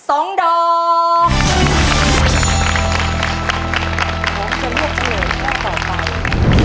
ของเจ้าเมียเจริญการต่อไป